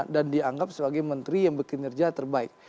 dan dianggap sebagai menteri yang bikin kerja terbaik